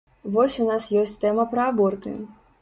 Вось у нас ёсць тэма пра аборты.